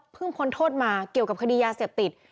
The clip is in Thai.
เพิ่งผนโทษมาเกี่ยวกับคดียาเสียบติด